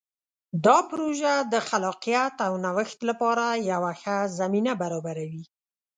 دا پروژه د خلاقیت او نوښت لپاره یوه ښه زمینه برابروي.